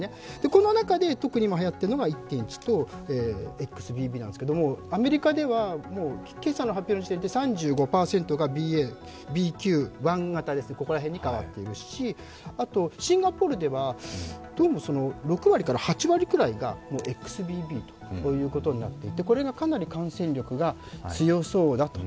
この中で特に今はやっているのが１．１とＸＢＢなんですけど、アメリカでは今朝の発表の時点で３５％がＢＱ．１型、ここら辺に変わっているし、シンガポールではどうも６割から８割くらいがＸＢＢということになっていて、これがかなり感染力が強そうだと。